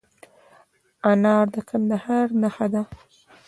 انار د کندهار نښه ده.